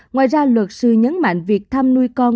ngoài ra luật sư nhấn mạnh việc thăm nuôi con